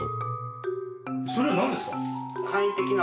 それはなんですか？